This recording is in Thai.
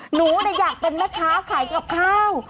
หนูอยากเป็นแม่ค้าขายกับข้าว